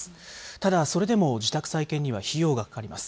ただそれでも自宅再建には費用がかかります。